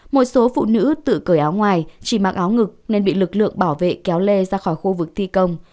một số phụ nữ tự cởi áo ngoài chỉ mặc áo ngực nên bị lực lượng bảo vệ kéo lê ra khỏi khu vực thi công